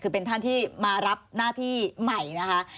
คือเป็นท่านที่มารับหน้าที่ใหม่นะคะ